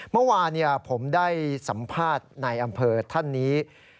เมื่อวานผมได้สัมภาษณ์ในอำเภอท่านนี้